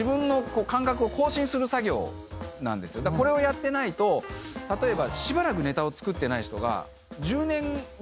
これをやってないと例えば。